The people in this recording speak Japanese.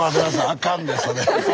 あかんでそれ。